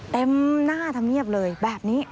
เต็มหน้าธรรมเนียบเลยแบบนี้